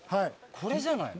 これじゃないの？